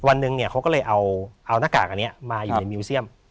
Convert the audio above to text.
วันหนึ่งเนี่ยเขาก็เลยเอาหน้ากากอันนี้มาอยู่ในมิวเซียม